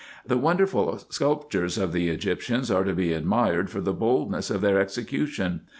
The wonderful sculptures of the Egyptians are to be admired for the boldness of their execution.